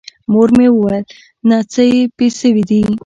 مور مې وويل نه څه پې سوي دي.